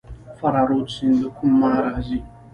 فراه رود سیند له کومه راځي؟